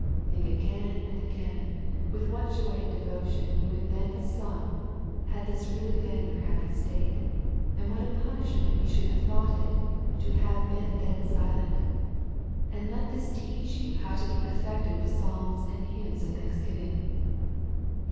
Think again and again, with what joy 204 A SERIOUS CALL TO A and devotion you would then have sung, had this been really your happy state^ and what a punishment you should have thought it, to have been then silent ; and let this teach you how to be affected with psalms and hymns of thanksgiving*.